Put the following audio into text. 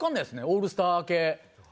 オールスター系。